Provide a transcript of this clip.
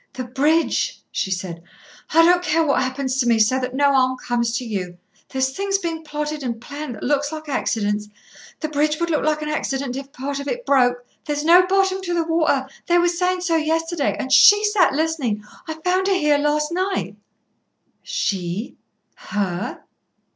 "The bridge!" she said. "I don't care what happens to me so that no harm comes to you. There's things being plotted and planned that looks like accidents. The bridge would look like an accident if part of it broke. There's no bottom to the water. They were saying so yesterday, and she sat listening. I found her here last night." "She! Her!"